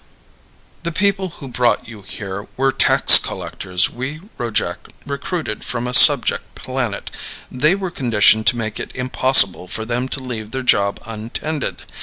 "The people who brought you here were tax collectors we Rojac recruited from a subject planet. They were conditioned to make it impossible for them to leave their job untended.